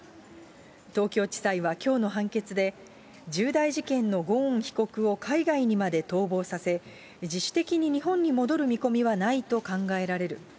東京地裁はきょうの判決で、重大事件のゴーン被告を海外にまで逃亡させ、自主的に日本に戻る見込みはないと考えられる。